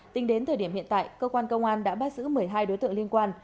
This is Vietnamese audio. tính đến thời điểm hiện tại cơ quan công an đã bắt giữ một mươi hai đối tượng liên quan